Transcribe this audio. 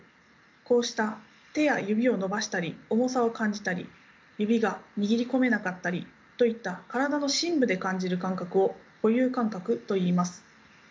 こうした手や指を伸ばしたり重さを感じたり指が握り込めなかったりといった体の深部で感じる感覚を固有感覚といいます。